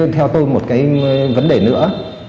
theo tôi một cái vấn đề nữa